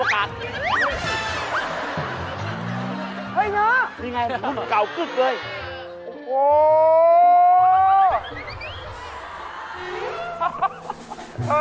เฮ่ยหนางุ่นเก่าคึกเลยนี่ไง